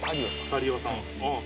サリオさん。